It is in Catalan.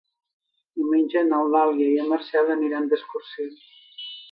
Diumenge n'Eulàlia i en Marcel aniran d'excursió.